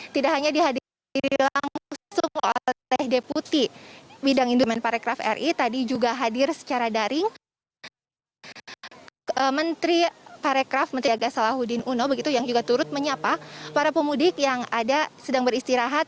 tidak hanya dihadiri langsung oleh deputi bidang industri dan investasi dari kemenparekraf ri tadi juga hadir secara daring menteri kemenparekraf menteri aga salahuddin uno yang juga turut menyapa para pemudik yang sedang beristirahat